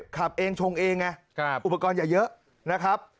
ขับเองชงเองไงอุปกรณ์อย่าเยอะนะครับ